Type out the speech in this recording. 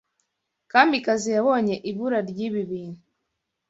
kamikazi yabonye ibura ryibi bintu